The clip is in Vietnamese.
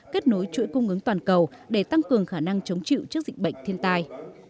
kết nối chuỗi cung ứng toàn cầu để tăng cường khả năng chống chịu trước dịch bệnh thiên tai